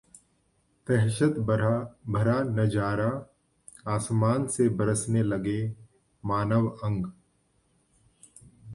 दहशत भरा नज़ारा, आसमान से बरसने लगे मानव अंग